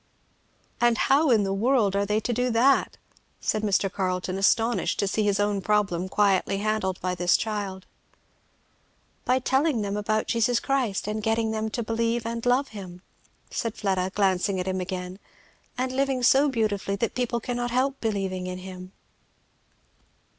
"And how in the world are they to do that?" said Mr. Carleton, astonished to see his own problem quietly handled by this child. "By telling them about Jesus Christ, and getting them to believe and love him," said Fleda, glancing at him again, "and living so beautifully that people cannot help believing them."